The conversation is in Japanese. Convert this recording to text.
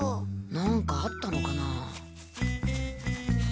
何かあったのかな？